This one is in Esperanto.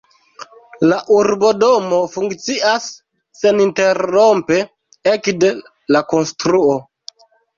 La urbodomo funkcias seninterrompe ekde la konstruo.